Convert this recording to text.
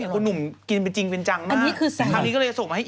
อร่อยยังมีกของค้า